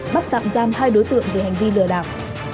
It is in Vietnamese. bắt tạm giam hai đối tượng về hành vi lừa đảo